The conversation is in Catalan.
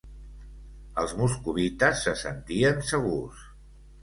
Els moscovites se sentien segurs.